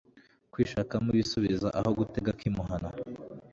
kwishakamo ibisubizo aho gutega ak' imuhana